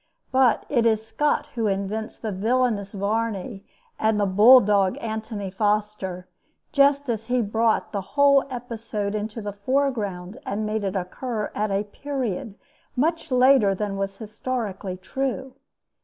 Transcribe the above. But it is Scott who invents the villainous Varney and the bulldog Anthony Foster; just as he brought the whole episode into the foreground and made it occur at a period much later than was historically true.